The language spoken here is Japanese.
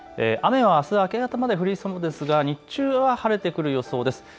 雨はあす明け方まで降りそうですが日中は晴れてくる予想です。